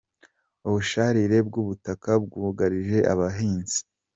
Ubusharire bw’ubutaka bwugarije abahinzi